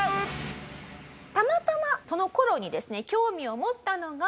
たまたまその頃にですね興味を持ったのが。